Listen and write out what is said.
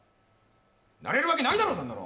なれるわけないだろ、そんなの！